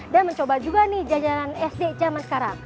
dan mencoba juga nih jajanan sd zaman sekarang